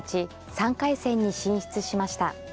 ３回戦に進出しました。